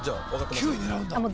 ９位狙うんだもう